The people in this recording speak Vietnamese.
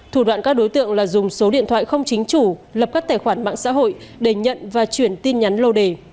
thủ đoạn các đối tượng là dùng số điện thoại không chính chủ lập các tài khoản mạng xã hội để nhận và chuyển tin nhắn lô đề